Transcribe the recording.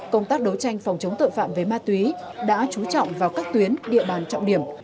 công tác đấu tranh phòng chống tội phạm về ma túy đã trú trọng vào các tuyến địa bàn trọng điểm